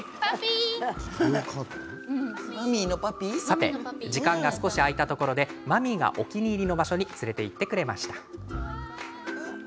さて、時間が少し空いたところでマミーがお気に入りの場所に連れて行ってくれました。